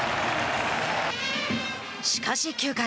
しかし、９回。